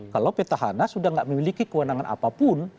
kalau petahana sudah tidak memiliki kewenangan apapun